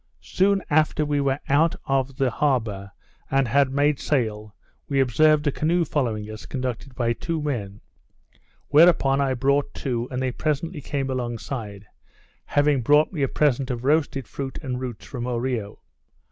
Soon after we were out of the harbour, and had made sail, we observed a canoe following us, conducted by two men; whereupon I brought to, and they presently came alongside, having brought me a present of roasted fruit and roots from Oreo.